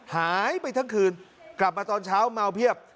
หายไปทั้งคืนกลับมาตอนเช้าเมาเพียบ